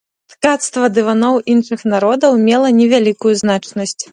Ткацтва дываноў іншых народаў мела невялікую значнасць.